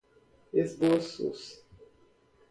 esboço